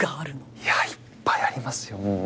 いやいっぱいありますよ。